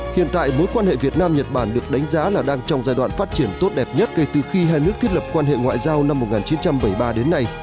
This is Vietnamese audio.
hiện tại mối quan hệ việt nam nhật bản được đánh giá là đang trong giai đoạn phát triển tốt đẹp nhất kể từ khi hai nước thiết lập quan hệ ngoại giao năm một nghìn chín trăm bảy mươi ba đến nay